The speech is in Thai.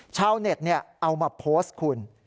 ชาวเน็ตเอามาโพสต์คุณ